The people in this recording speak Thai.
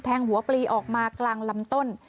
หัวปลีออกมากลางลำต้น